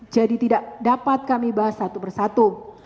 jadi tidak dapat kami bahas satu persatu